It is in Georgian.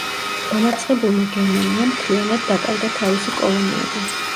დამარცხებულმა გერმანიამ მთლიანდ დაკარგა თავისი კოლონიები.